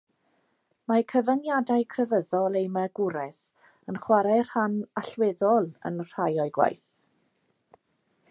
Mae cyfyngiadau crefyddol ei magwraeth yn chwarae rhan allweddol yn rhai o'i gwaith.